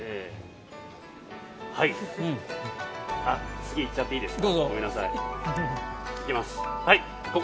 次行っちゃっていいですか？